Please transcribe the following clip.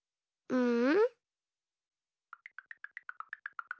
うん。